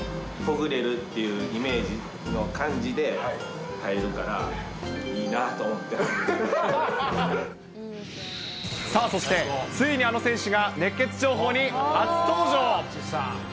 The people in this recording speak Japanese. ほぐれるっていうイメージの感じで入るから、いいなあと思っさあそして、ついにあの選手が、熱ケツ情報に初登場。